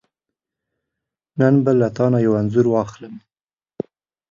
نن به له تانه یو انځور واخلم .